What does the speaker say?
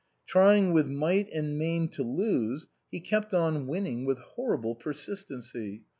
Trying with might and main to lose, he kept on 28 INLAND winning with horrible persistency.